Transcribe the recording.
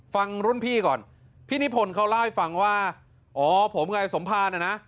ฟังรุ่นพี่ก่อนพี่นิพนธ์เขาเล่าให้ฟังว่าอ๋อผมกับสมภารน่ะนะ